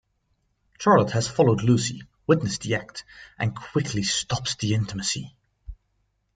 Charlotte has followed Lucy, witnesses the act, and quickly stops the intimacy.